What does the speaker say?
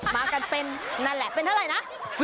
มากันเป็นนั่นแหละเป็นเท่าไหร่นะ